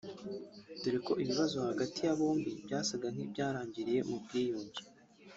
dore ko ibibazo hagati ya bombi byasaga nk’ibyarangiriye mu bwiyunge